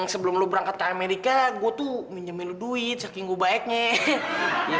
sebelum lo berangkat ke amerika gue tuh minjemin lo duit saking gue baiknya